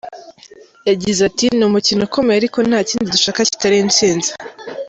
Yagize ati “Ni umukino ukomeye ariko nta kindi dushaka kitari intsinzi.